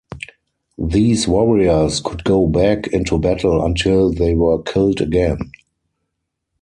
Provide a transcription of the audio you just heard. These warriors could go back into battle until they were killed again.